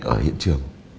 ở hiện trường